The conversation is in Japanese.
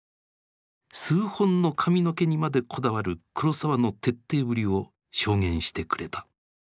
数本の髪の毛にまでこだわる黒澤の徹底ぶりを証言してくれた。